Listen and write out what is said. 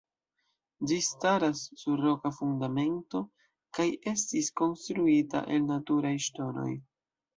Ĝi staras sur roka fundamento kaj estis konstruita el naturaj ŝtonoj.